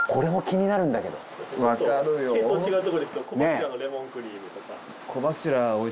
系統違うとこでいくと小柱のレモンクリームとか。